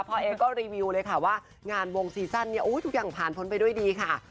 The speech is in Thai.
เอ๊ก็รีวิวเลยค่ะว่างานวงซีซั่นเนี่ยทุกอย่างผ่านพ้นไปด้วยดีค่ะ